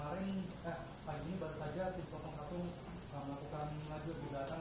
pertanyaan pak kemarin eh pagi ini baru saja